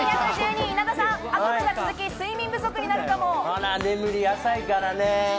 あら、眠り浅いからね。